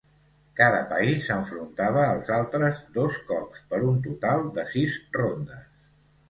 Cada país s'enfrontava als altres dos cops, per un total de sis rondes.